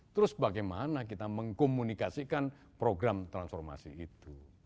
terus bagaimana kita mengkomunikasikan program transformasi itu